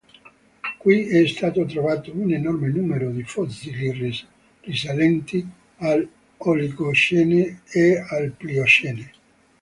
Qui è stato trovato un enorme numero di fossili risalenti all'oligocene e al pliocene.